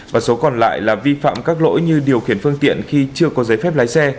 và số còn lại là vi phạm các lỗi như điều khiển phương tiện khi chưa có giấy phép lái xe